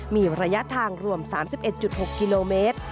มีระยะทางรวม๓๑๖กิโลเมตร